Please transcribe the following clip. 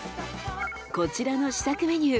こちらの試作メニュー